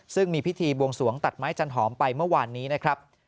ซึ่งมีพิธีบวงสวงตัดไม้จันหอมไปเมื่อวานนี้นะครับ